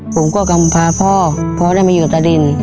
ผมก็กำพาพ่อพ่อได้มาอยู่ตะดิน